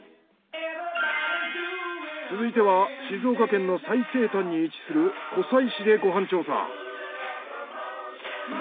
続いては静岡県の最西端に位置する湖西市でご飯調査。